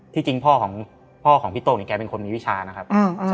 ที่จริงพ่อของพี่โต่งนี่แกเป็นคนมีวิชานะครับ